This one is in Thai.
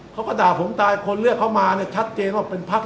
เขาก็ด่าผมตายคนเลือกเขามาเนี่ยชัดเจนว่าเป็นพัก